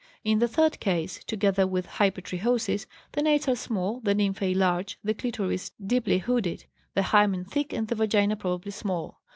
In the third case, together with hypertrichosis, the nates are small, the nymphæ large, the clitoris deeply hooded, the hymen thick, and the vagina probably small.